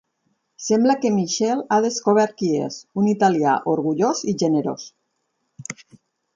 Sembla que Michele ha descobert qui és, un italià orgullós i generós.